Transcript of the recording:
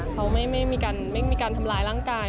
เขาไม่มีการทำร้ายร่างกาย